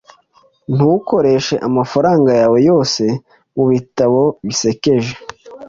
Ntukoreshe amafaranga yawe yose mubitabo bisekeje.